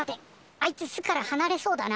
あいつ巣からはなれそうだな。